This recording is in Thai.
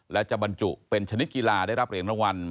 และจะบรรจุเป็นชนิดกีฬาได้รับเหรียญรางวัล